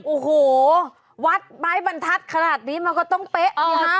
โอ้โหวัดไม้บรรทัศน์ขนาดนี้มันก็ต้องเป๊ะไงฮะ